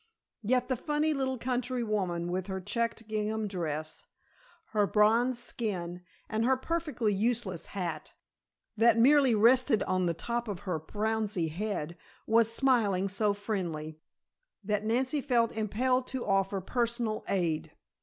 Yet the funny little country woman, with her checked gingham dress, her bronzed skin and her perfectly useless hat, that merely rested on the top of her frowsy head, was smiling so friendly, that Nancy felt impelled to offer personal aid.